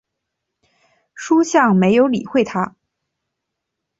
叔向没有理会他。